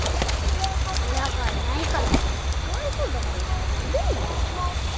親がいないからってかわいそうだからってずるいよ。